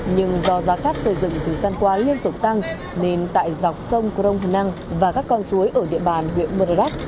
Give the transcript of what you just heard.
nhưng do giá cát xây dựng từ xăng qua liên tục tăng nên tại dọc sông crong thu năng và các con suối ở địa bàn huyện matrodak